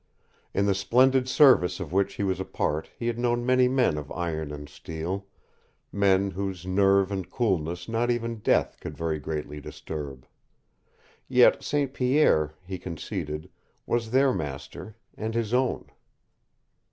In the splendid service of which he was a part he had known many men of iron and steel, men whose nerve and coolness not even death could very greatly disturb. Yet St. Pierre, he conceded, was their master and his own.